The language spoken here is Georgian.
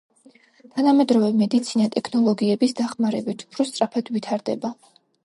თანამედროვე მედიცინა ტექნოლოგიების დახმარებით უფრო სწრაფად ვითარდება.